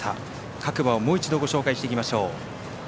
各馬をもう一度ご紹介していきましょう。